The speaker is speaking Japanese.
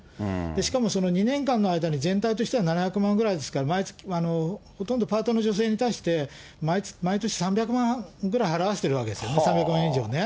しかもその２年間の間に、全体としては７００万ぐらいですから、毎月ほとんどパートの女性に対して、毎年３００万ぐらい払わしてるわけですね、３００万円以上ね。